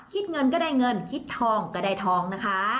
คิดเงินก็ได้เงินคิดทองก็ได้ทองนะคะ